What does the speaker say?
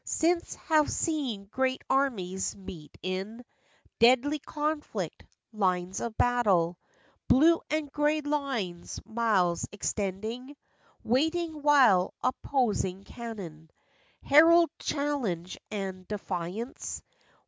Since, have seen great armies meet in Deadly conflict; lines of battle— Blue and gray lines miles extending— Waiting while opposing cannon Herald challenge and defiance.